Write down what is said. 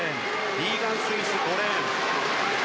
リーガン・スミス、５レーン。